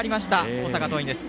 大阪桐蔭です。